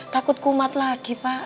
takut kumat lagi pak